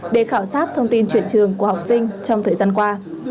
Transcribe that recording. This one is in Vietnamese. để khảo sát thông tin chuyển trường của học sinh trong thời gian qua